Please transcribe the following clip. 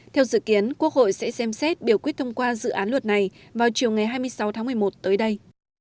theo dự kiến quốc hội sẽ xem xét biểu quyết thông qua dự án luật này vào chiều ngày hai mươi sáu tháng một mươi một tới đây